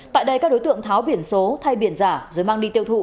tại đây các đối tượng tháo biển số thay biển giả rồi mang đi tiêu thụ